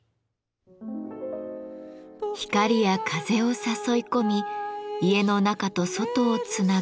光や風を誘い込み家の中と外をつなぐ「窓」。